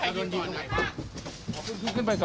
ถ้าใครโดนยิงขึ้นมา